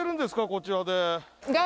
こちらで。